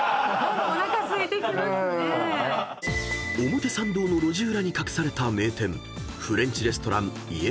［表参道の路地裏に隠された名店フレンチレストラン］